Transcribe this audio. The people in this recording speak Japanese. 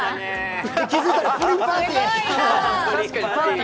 気付いたらプリンパーティ。